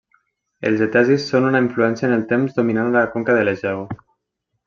Els etesis són una influència en el temps dominant a la conca de l'Egeu.